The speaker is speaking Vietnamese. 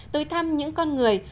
tới thăm những con người